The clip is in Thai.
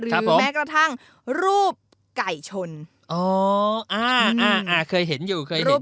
แม้กระทั่งรูปไก่ชนอ๋ออ่าอ่าเคยเห็นอยู่เคยเห็น